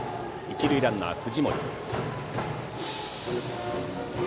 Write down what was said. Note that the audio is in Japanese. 一塁ランナー藤森。